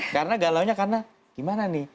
karena galaunya karena gimana nih